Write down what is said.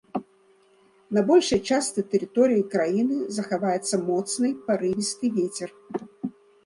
На большай частцы тэрыторыі краіны захаваецца моцны парывісты вецер.